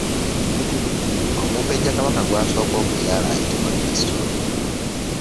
Omumbejja Kabaka gw’asooka okuzaala ayitibwa Nnassolo.